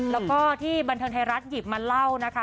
แล้วก็ที่บันเทิงไทยรัฐหยิบมาเล่านะคะ